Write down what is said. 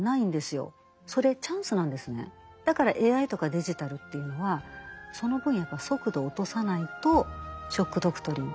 だからＡＩとかデジタルというのはその分やっぱり速度を落とさないと「ショック・ドクトリン」